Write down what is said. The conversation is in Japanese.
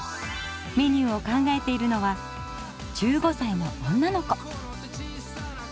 メニューを考えているのは１５歳の女の子。